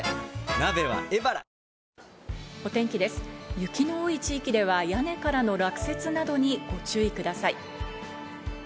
雪の多い地域では屋根からの落雪などにご注意ください。